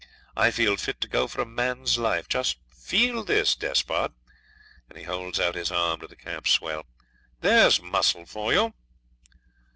I feel fit to go for a man's life. Just feel this, Despard,' and he holds out his arm to the camp swell. 'There's muscle for you!'